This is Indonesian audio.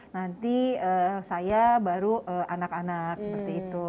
nanti saya baru anak anak seperti itu